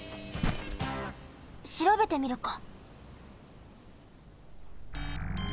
しらべてみるか。